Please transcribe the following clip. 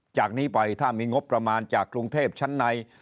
จากนี้ไปถ้ามีงบประมาณจากกรุงเทพชั้นใน